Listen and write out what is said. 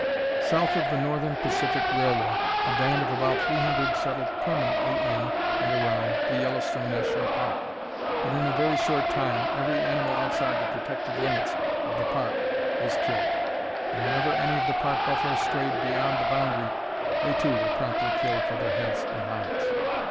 South of the Northern Pacific Railway, a band of about three hundred settled permanently in and around the Yellowstone National Park, but in a very short time every animal outside of the protected limits of the park was killed, and whenever any of the park buffaloes strayed beyond the boundary they too were promptly killed for their heads and hides.